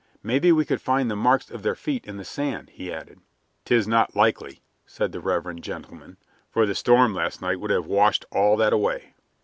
Maybe we could find the marks of their feet in the sand," he added. "'Tis not likely," said the reverend gentleman, "for the storm last night would have washed all that away."